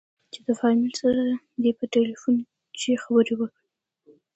چې د فاميل سره دې په ټېلفون کښې خبرې وکې.